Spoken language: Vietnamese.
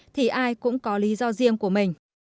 thì ai cũng có lý do riêng của mình